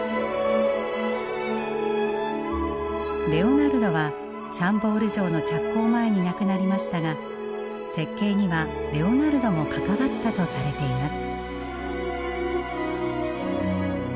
レオナルドはシャンボール城の着工前に亡くなりましたが設計にはレオナルドも関わったとされています。